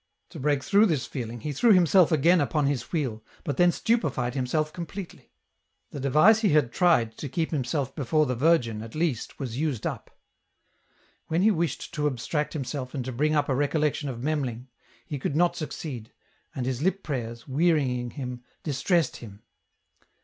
To break through this feelmg, he threw himself again upon his wheel, but then stupefied himself completely ; the device he had tried to keep himself before the Virgin at least was used up. When he wished to abstract himself and to bnng up a recollection of Memling, he could not succeed, and his lip prayers, wearying him, distressed him.